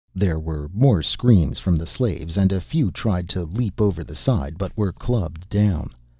There were more screams from the slaves, and a few tried to leap over the side but were clubbed down.